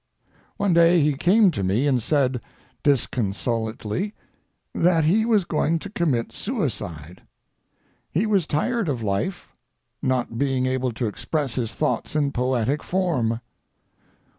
One day he came to me and said, disconsolately, that he was going to commit suicide—he was tired of life, not being able to express his thoughts in poetic form.